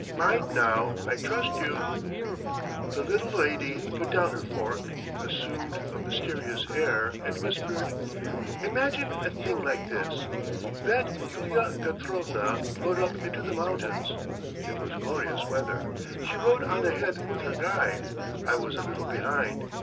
Mind now! I trust you. ..." The little lady put down her fork, assumed a mysterious air, and whispered: "Imagine a thing like this. ... That Yulia Petrovna rode up into the mountains .... It was glorious weather! She rode on ahead with her guide, I was a little behind.